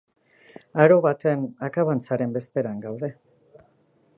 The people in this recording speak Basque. Aro baten akabantzaren bezperan gaude.